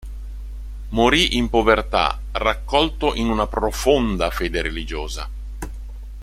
Morì in povertà raccolto in una profonda fede religiosa.